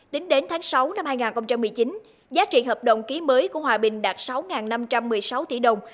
tính đến tháng sáu năm hai nghìn một mươi chín giá trị hợp đồng ký mới của hòa bình đạt sáu năm trăm một mươi sáu tỷ đồng